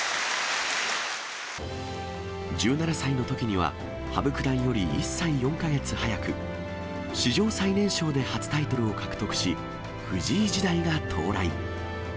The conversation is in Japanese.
１７歳のときには、羽生九段より１歳４か月早く、史上最年少で初タイトルを獲得し、藤井時代が到来。